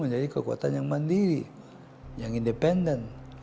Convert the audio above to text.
menjadi kekuatan yang mandiri yang independen